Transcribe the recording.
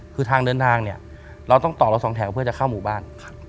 คือทางเดินทางเนี่ยเราต้องต่อเราสองแถวเพื่อจะเข้าหมู่บ้าน